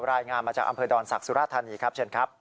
รายงานมาจากอำเภอดอนศักดิ์สุราธานีครับเชิญครับ